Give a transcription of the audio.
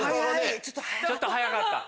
ちょっと早かった。